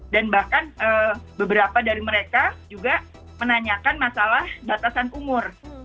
dan bahkan beberapa dari mereka juga menanyakan masalah batasan umur